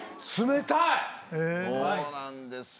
そうなんですよ。